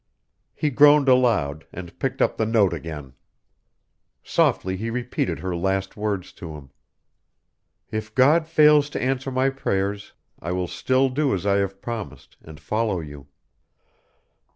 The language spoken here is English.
He groaned aloud, and picked up the note again. Softly he repeated her last words to him: "If God fails to answer my prayers I will still do as I have promised, and follow you."